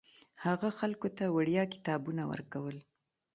هغه خلکو ته وړیا کتابونه ورکول.